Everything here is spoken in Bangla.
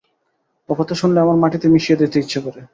ও কথা শুনলে আমার মাটিতে মিশিয়ে যেতে ইচ্ছা করে।